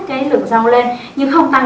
cái lượng rau lên nhưng không tăng